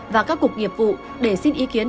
và các cục nghiệp vụ để xin ý kiến